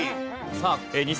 さあ